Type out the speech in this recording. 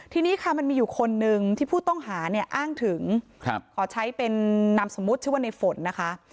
ทีนี้ค่ะมันมีอยู่คนนึงที่ผู้ต้องหาเนี่ยอ้างถึงขอใช้เป็นนามสมมุติชื่อว่าในฝนนะคะ